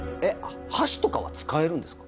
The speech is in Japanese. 箸とかは使えるんですか？